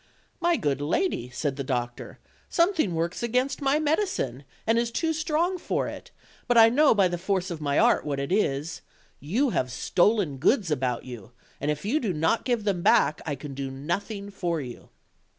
"My good lady," said the doctor, "something works against my medicine, and is too strong for it; but I know by the force of my art what it is; you have stolen goods about you, and if you do not give them back, I can do nothing for you."